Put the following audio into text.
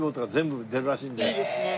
いいですね。